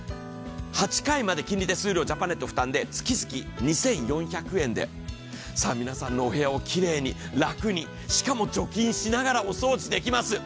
８回まで金利手数料ジャパネット負担で月々２４００円で皆さんのお部屋をきれいに、楽に、しかも除菌しながらお掃除できます。